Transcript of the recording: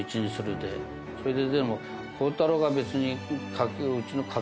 それででも。